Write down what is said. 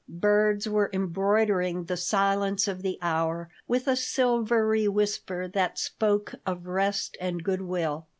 Birds were embroidering the silence of the hour with a silvery whisper that spoke of rest and good will.